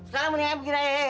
sekarang mendingan begini aja